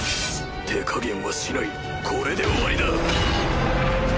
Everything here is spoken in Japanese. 手加減はしないこれで終わりだ！